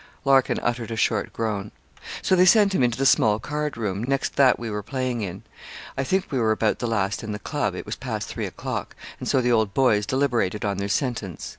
Larkin uttered a short groan. 'So they sent him into the small card room, next that we were playing in. I think we were about the last in the club it was past three o'clock and so the old boys deliberated on their sentence.